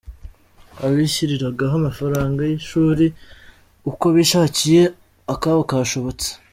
Abishyiriragaho amafaranga yishuri uko bishakiye akabo kashobotse